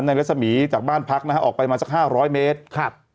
รัศมีร์จากบ้านพักนะฮะออกไปมาสักห้าร้อยเมตรครับ